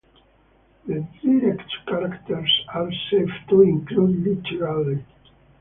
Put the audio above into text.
The direct characters are safe to include literally.